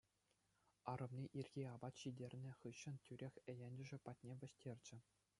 Арӑмне ирхи апат ҫитернӗ хыҫҫӑн тӳрех ентешӗ патне вӗҫтерчӗ.